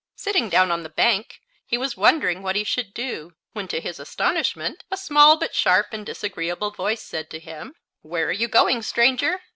Sitting down on the bank, he was wondering what he should do when to his astonishment a small but sharp and disagreeable voice said to him: "Where are you going, stranger?"